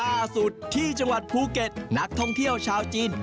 ล่าสุดที่จังหวัดภูเก็ตนักท่องเที่ยวชาวจีน